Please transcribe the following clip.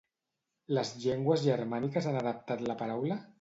Les llengües germàniques han adaptat la paraula?